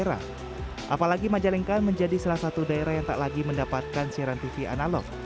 apalagi majalengka menjadi salah satu daerah yang tak lagi mendapatkan siaran tv analog